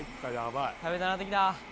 食べたなってきた！